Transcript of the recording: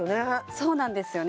そうなんですよね